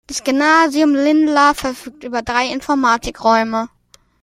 Das Gymnasium-Lindlar verfügt über drei Informatik-Räume.